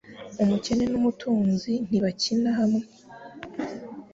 Umukene numutunzi ntibakina hamwe.